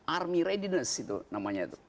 army readiness itu namanya